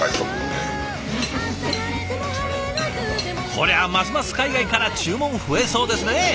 こりゃますます海外から注文増えそうですね！